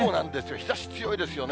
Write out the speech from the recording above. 日ざし強いんですよね。